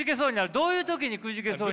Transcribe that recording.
どういう時にくじけそうに。